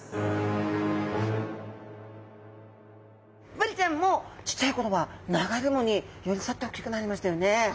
ブリちゃんもちっちゃい頃は流れ藻に寄り添っておっきくなりましたよね。